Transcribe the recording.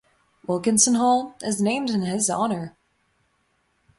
Wilkinson Hall is named in his honour.